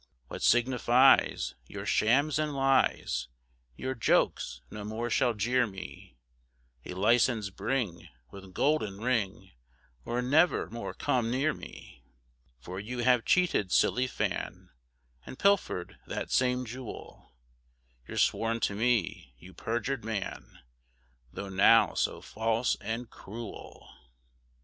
What signifies Your shams and lies, Your jokes no more shall jeer me; A licence bring With golden ring, Or never more come near me. For you have cheated silly Fan, And pilfer'd that same jewel; You're sworn to me, you perjur'd man, Tho' now so false and cruel.